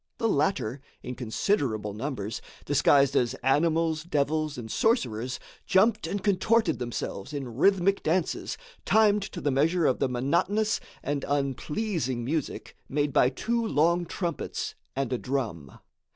The latter, in considerable numbers, disguised as animals, devils and sorcerers, jumped and contorted themselves in rhythmic dances timed to the measure of the monotonous and unpleasing music made by two long trumpets and a drum.